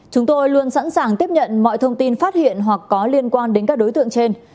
chúng tôi luôn sẵn sàng tiếp nhận mọi thông tin phát hiện hoặc có liên quan đến các đối tượng trên